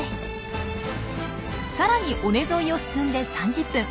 さらに尾根沿いを進んで３０分。